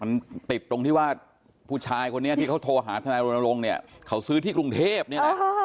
มันติดตรงที่ว่าผู้ชายคนนี้ที่เขาโทรหาทนายรณรงค์เนี่ยเขาซื้อที่กรุงเทพเนี่ยนะ